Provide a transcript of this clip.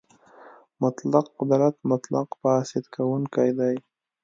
مطلق قدرت مطلق فاسد کوونکی دی.